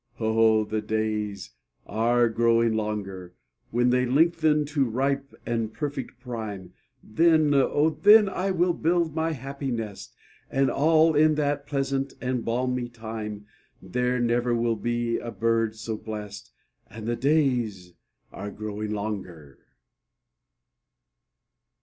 Oh, the days are growing longer; When they lengthen to ripe and perfect prime, Then, oh, then, I will build my happy nest; And all in that pleasant and balmy time, There never will be a bird so blest; And the days are growing longer.